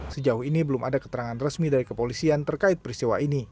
sejauh ini belum ada keterangan resmi dari kepolisian terkait peristiwa ini